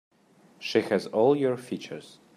She has all your features.